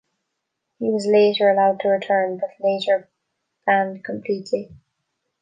He was later allowed to return but later banned completely.